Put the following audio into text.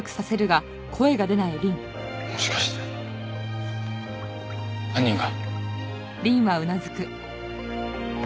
もしかして犯人が？